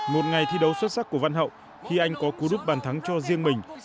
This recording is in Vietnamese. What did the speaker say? một ngày thi đấu xuất sắc của văn hậu khi anh có cú đúc bàn thắng cho riêng mình